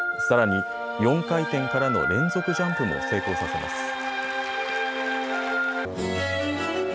さらに４回転からの連続ジャンプも成功させます。